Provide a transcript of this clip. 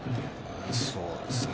そうですね。